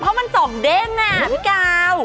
เพราะมันสองเด้นอ่ะพี่กาว